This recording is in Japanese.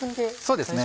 そうですね。